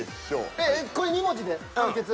ええっこれ２文字で完結。